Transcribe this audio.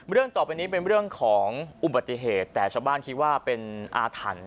เรื่องต่อไปนี้เป็นเรื่องของอุบัติเหตุแต่ชาวบ้านคิดว่าเป็นอาถรรพ์